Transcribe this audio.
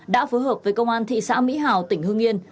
đã phối hợp với công an thị xã mỹ hào tỉnh hương yên